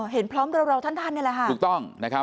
เห็นพร้อมเวลาทันนี่แหละฮะ